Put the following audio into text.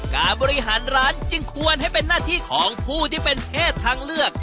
การบริหารร้านจึงควรให้เป็นหน้าที่ของผู้ที่เป็นเพศทางเลือก